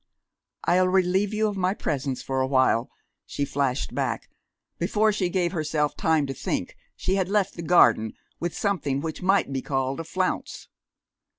"I'll relieve you of my presence for awhile," she flashed back. Before she gave herself time to think, she had left the garden, with something which might be called a flounce.